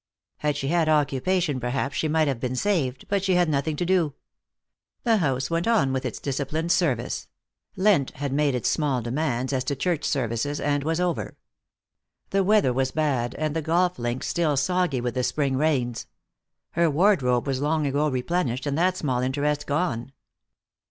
Had she had occupation perhaps she might have been saved, but she had nothing to do. The house went on with its disciplined service; Lent had made its small demands as to church services, and was over. The weather was bad, and the golf links still soggy with the spring rains. Her wardrobe was long ago replenished, and that small interest gone.